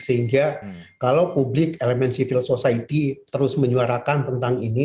sehingga kalau publik elemen civil society terus menyuarakan tentang ini